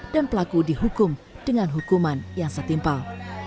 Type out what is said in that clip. dan pelaku dihukum dengan hukuman yang setimpal